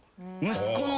息子の。